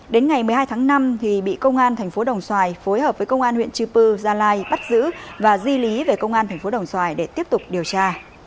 đến ngày một mươi hai tháng năm thì bị công an thành phố đồng xoài phối hợp với công an huyện chư pư gia lai bắt giữ và di lý về công an tp đồng xoài để tiếp tục điều tra